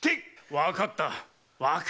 わかった！